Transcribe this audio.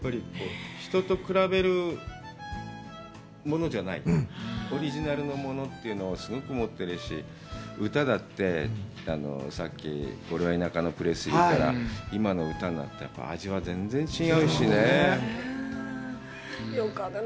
人と比べるものじゃない、オリジナルのものというのをすごく持ってるし、歌だって、さっき俺は田舎のプレスリーとか、今の歌になって、味が全然、違うしね。よかったね。